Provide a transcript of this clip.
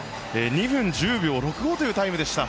２分１０秒６５というタイムでした。